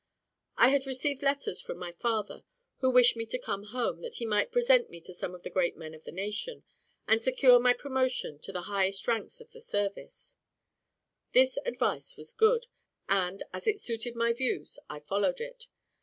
I had received letters from my father, who wished me to come home, that he might present me to some of the great men of the nation, and secure my promotion to the highest ranks of the service. This advice was good, and, as it suited my views, I followed it.